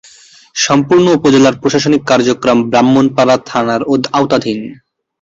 সম্পূর্ণ উপজেলার প্রশাসনিক কার্যক্রম ব্রাহ্মণপাড়া থানার আওতাধীন।